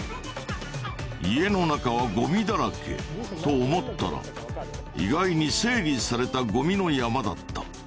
家の中はゴミだらけと思ったら意外に整理されたゴミの山だった。